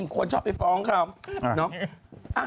ควรชอบไปฟ้องเขา